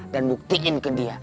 dan buktiin ke dia